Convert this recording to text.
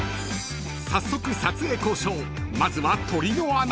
［早速撮影交渉まずは鶏の穴］